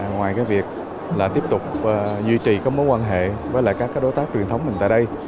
ngoài việc tiếp tục duy trì mối quan hệ với các đối tác truyền thống mình tại đây